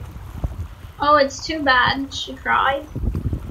‘Oh, it’s too bad!’ she cried.